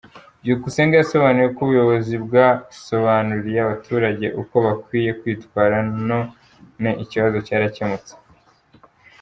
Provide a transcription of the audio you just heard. Byukusenge yasobanuye ko ubuyobozi bwasobanuriye abaturage uko bakwiye kwitwara, none ikibazo cyarakemutse.